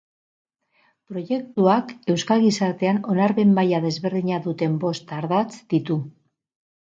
Proiektuak euskal gizartean onarpen maila desberdina duten bost ardatz ditu.